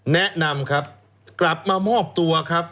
แนะนำครับกลับมามอบตัวครับ